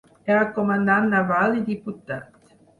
Era comandant naval i diputat.